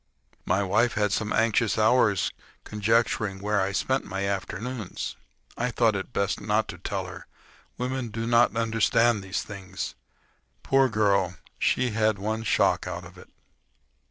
My wife had some anxious hours in conjecturing where I spent my afternoons. I thought it best not to tell her; women do not understand these things. Poor girl!—she had one shock out of it.